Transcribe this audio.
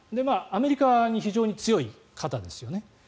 アメリカに非常に強い方ですよね。